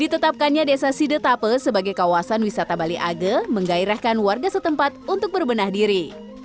ditetapkannya desa sidetape sebagai kawasan wisata bali age menggairahkan warga setempat untuk berbenah diri